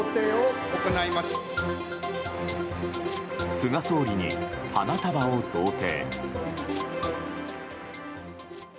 菅総理に花束を贈呈。